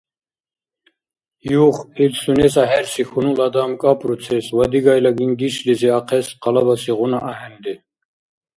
Юх, ил сунес ахӀерси хьунул адам кӀапӀруцес ва дигайла гингишлизи ахъес къалабасигъуна ахӀенри.